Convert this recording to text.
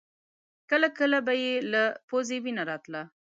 کله کله به يې له پزې وينه راتله.